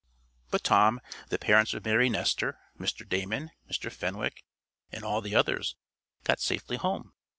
But Tom, the parents of Mary Nestor, Mr. Damon, Mr. Fenwick, and all the others, got safely home.